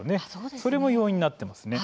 それも要因になっていますね。